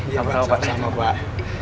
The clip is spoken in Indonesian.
iya pak sama pak